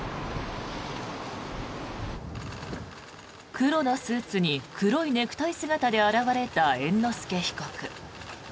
黒のスーツに黒いネクタイ姿で現れた猿之助被告。